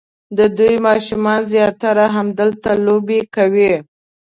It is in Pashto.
د دوی ماشومان زیاتره همدلته لوبې کوي.